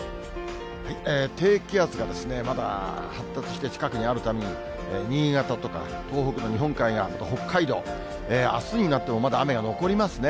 低気圧がまだ発達して近くにあるために、新潟とか、東北の日本海側、あと北海道、あすになってもまだ雨が残りますね。